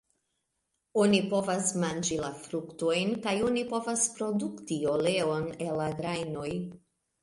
Oni povas manĝi la fruktojn kaj oni povas produkti oleon el la grajnoj.